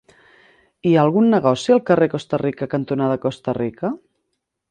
Hi ha algun negoci al carrer Costa Rica cantonada Costa Rica?